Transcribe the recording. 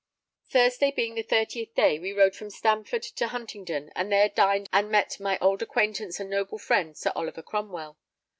Thursday, being the 30th day, we rode from Stamford to Huntingdon, and there dined and met there my old acquaintance and noble friend, Sir Oliver Cromwell.